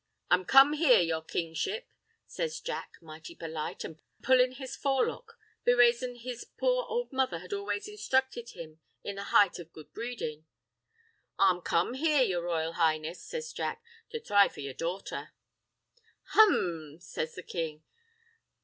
"I'm come here, your Kingship," says Jack, mighty polite, an' pullin' his forelock, be raison his poor ould mother had always insthructed him in the heighth of good breedin'—"I'm come here, your R'yal Highness," says Jack, "to thry for yer daughter." "Hum!" says the king.